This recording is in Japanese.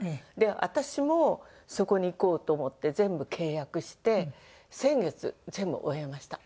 私もそこに行こうと思って全部契約して先月全部終えました。